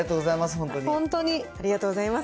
ありがとうございます。